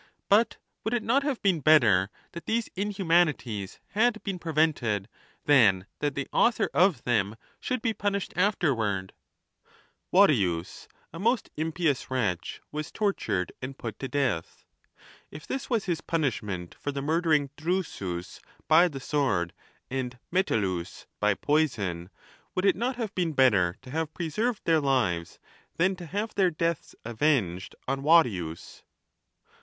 But would it not have been better that these inhu manities had been prevented than that the author of them should be punished afterward ? Varius, a most impious wretch, was tortured and put to death. If this was his punishment for the murdering Drusus by the sword, and Metellus by poison, would it not have been better to have preserved their lives than to have their deaths avenged on ' Q. Fabius Mnximus, sumamed Cunctator. THE NATURE OF THE GODS. 349 Varius?